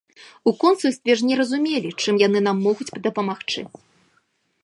У консульстве ж не разумелі, чым яны нам могуць дапамагчы.